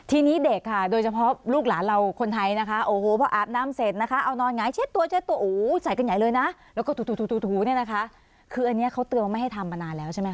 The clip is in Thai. ทีนี้เด็กค่ะโดยเฉพาะลูกหลานเราคนไทยนะคะโอ้โหพออาบน้ำเสร็จนะคะเอานอนหงายเช็ดตัวเช็ดตัวใส่กันใหญ่เลยนะแล้วก็ถูเนี่ยนะคะคืออันนี้เขาเตือนว่าไม่ให้ทำมานานแล้วใช่ไหมค